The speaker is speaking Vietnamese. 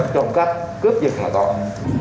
trong các cướp dịch mà còn